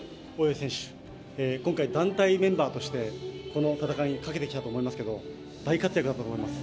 今回、団体メンバーとしてこの戦いにかけてきたと思いますけども、大活躍だったと思います。